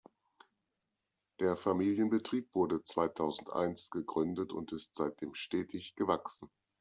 Der Familienbetrieb wurde zweitausendeins gegründet und ist seitdem stetig gewachsen.